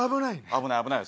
危ない危ない。